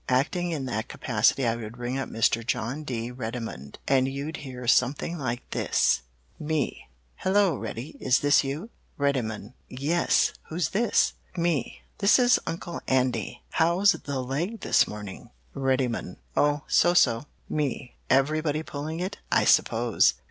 Acting in that capacity I would ring up Mr. John D. Reddymun, and you'd hear something like this: "Me Hello, Reddy is this you? "Reddymun Yes. Who's this? "Me This is Uncle Andy. How's the leg this morning? "Reddymun Oh, so so. "Me Everybody pulling it, I suppose?